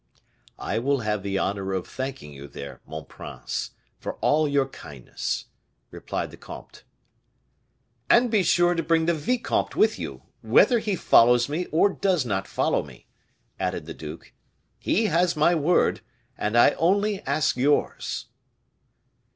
"I will have the honor of thanking you there, mon prince, for all your kindness," replied the comte. "And be sure to bring the vicomte with you, whether he follows me or does not follow me," added the duke; "he has my word, and I only ask yours."